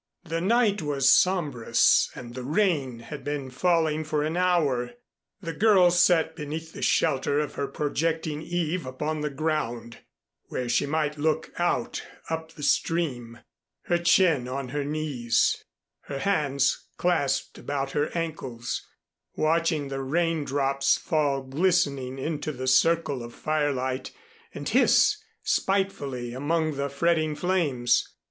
The night was sombrous and the rain had been falling for an hour. The girl sat beneath the shelter of her projecting eave upon the ground, where she might look out up the stream, her chin on her knees, her hands clasped about her ankles, watching the rain drops fall glistening into the circle of firelight and hiss spitefully among the fretting flames.